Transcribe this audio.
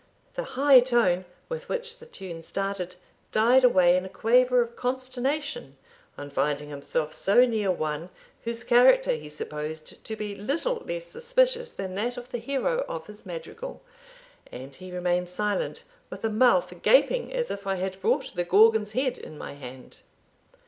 The high tone with which the tune started died away in a quaver of consternation on finding himself so near one whose character he supposed to be little less suspicious than that of the hero of his madrigal, and he remained silent, with a mouth gaping as if I had brought the Gorgon's head in my hand.